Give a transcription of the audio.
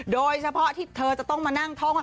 โดยเฉพาะที่เธอจะต้องมานั่งท่องว่า